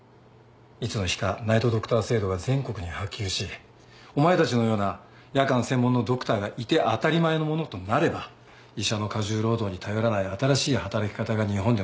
いつの日かナイト・ドクター制度が全国に波及しお前たちのような夜間専門のドクターがいて当たり前のものとなれば医者の過重労働に頼らない新しい働き方が日本でも実現する。